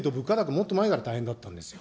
もっと前から大変だったんですよ。